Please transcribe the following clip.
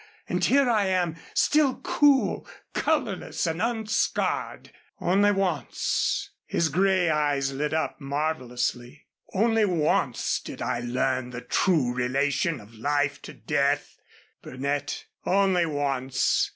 And here I am still cool, colorless and unscarred. Only once" his gray eyes lit up marvelously "only once did I learn the true relation of life to death, Burnett; only once.